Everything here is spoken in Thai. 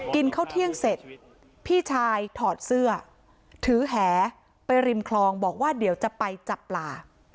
กินข้าวเที่ยงเสร็จพี่ชายถอดเสื้อถือแหไปริมคลองบอกว่าเดี๋ยวจะไปจับปลา